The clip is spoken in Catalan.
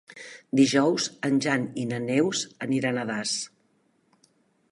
Dijous en Jan i na Neus aniran a Das.